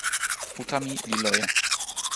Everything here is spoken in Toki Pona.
uta mi li loje.